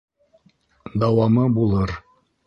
Дауамы булыр.